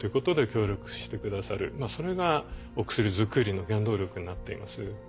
それがお薬作りの原動力になっています。